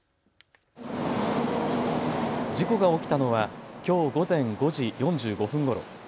事故が起き起きたのはきょう午前５時４５分ごろ。